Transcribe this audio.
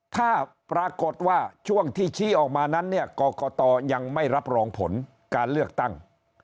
ถ้าปรากฏว่าช่วงที่ชี้ออกมานั้นเนี่ยกรกตยังไม่รับรองผลการเลือกตั้ง